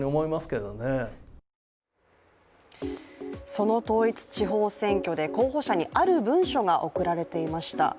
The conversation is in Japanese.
その統一地方選挙で候補者にある文書が送られていました。